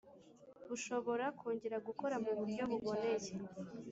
bushobora kongera gukora mu buryo buboneye